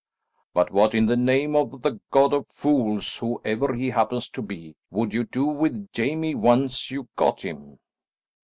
"But what in the name of the god of fools whoever he happens to be, would you do with Jamie once you got him?"